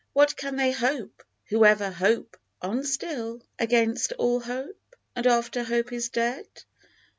What can they hope, who ever hope on still Against all Hope ? And after Hope is dead